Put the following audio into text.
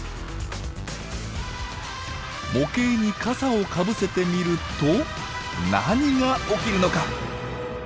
模型に傘をかぶせてみると何が起きるのか。